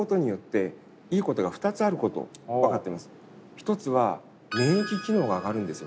一つは免疫機能が上がるんですよ。